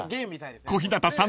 ［小日向さん